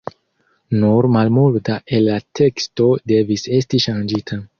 Nur malmulta el la teksto devis esti ŝanĝita.